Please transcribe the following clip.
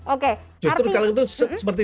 oke artinya justru kalau itu seperti